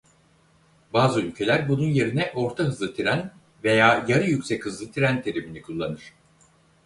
Bazı ülkeler bunun yerine orta hızlı tren veya yarı yüksek hızlı tren terimini kullanır.